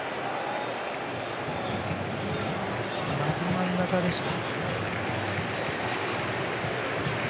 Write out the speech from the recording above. また真ん中でした。